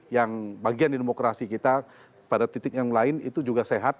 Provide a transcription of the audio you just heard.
yang bagian demokrasi kita pada titik yang lain itu juga sehat